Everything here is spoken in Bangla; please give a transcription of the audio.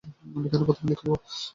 আমি কেন প্রথমে লিখিব।